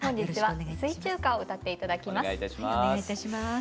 お願いいたします。